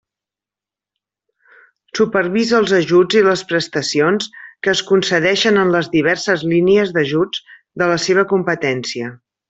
Supervisa els ajuts i les prestacions que es concedeixen en les diverses línies d'ajuts de la seva competència.